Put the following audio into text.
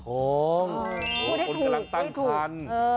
ก็คงอยู่กันตังคัน